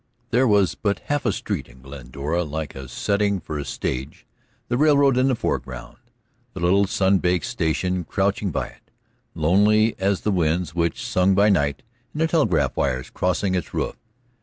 There was but half a street in Glendora, like a setting for a stage, the railroad in the foreground, the little sun baked station crouching by it, lonely as the winds which sung by night in the telegraph wires crossing its roof.